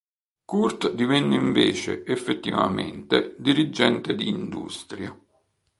Kurt divenne invece, effettivamente, dirigente di industria.